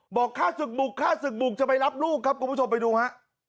บอกฆ่าสึกบุกจะไปรับลูกครับคุณผู้ชมไปดูฮะ